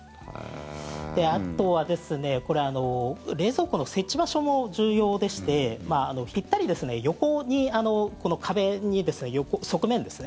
あとはですね冷蔵庫の設置場所も重要でしてぴったり横に、壁にですね